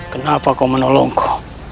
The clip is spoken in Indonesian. kenapa kau menolongku